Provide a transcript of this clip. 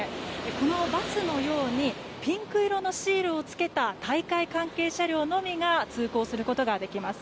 このバスのようにピンク色のシールをつけた大会関係車両のみが通行することができます。